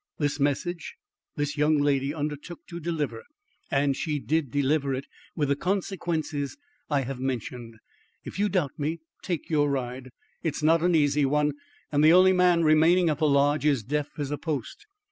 This message this young lady undertook to deliver, and she did deliver it, with the consequences I have mentioned. If you doubt me, take your ride. It is not an easy one, and the only man remaining at the Lodge is deaf as a post."